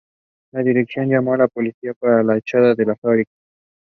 Preobrazhenskaya is the nearest rural locality.